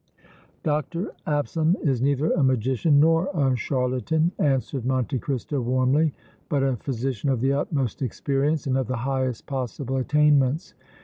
"Dr. Absalom is neither a magician nor a charlatan," answered Monte Cristo, warmly, "but a physician of the utmost experience and of the highest possible attainments.